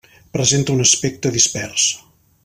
Presenta un aspecte dispers.